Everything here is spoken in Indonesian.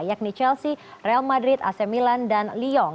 yakni chelsea real madrid ac milan dan leong